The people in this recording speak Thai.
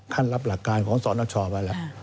ขั้นรับหลักการของสรวชาวไปแล้ว